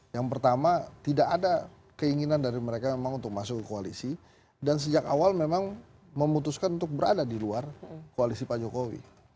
yang pertama tidak ada keinginan dari mereka memang untuk masuk ke koalisi dan sejak awal memang memutuskan untuk berada di luar koalisi pak jokowi